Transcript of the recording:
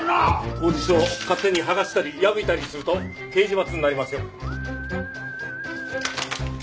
公示書を勝手に剥がしたり破いたりすると刑事罰になりますよ。